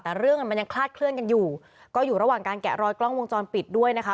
แต่เรื่องมันยังคลาดเคลื่อนกันอยู่ก็อยู่ระหว่างการแกะรอยกล้องวงจรปิดด้วยนะคะ